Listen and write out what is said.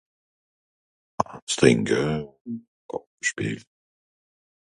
s'trìnke ùn Kàrte schpeel